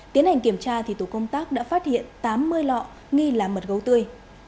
tiến hành kiểm tra thì tổ công tác đã phát hiện tám mươi lọ nghi làm mật gấu tươi